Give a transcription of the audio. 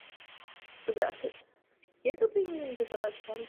Vláda dokončí reformu Policie České republiky v moderní bezpečnostní sbor.